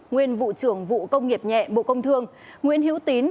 nguyên vụ trưởng vụ công nghiệp nhẹ bộ công thương nguyễn hữu tín